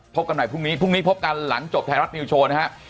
พบกันใหม่พรุ่งนี้พรุ่งนี้พบกันหลังจบไทยรัฐนิวโชว์นะฮะ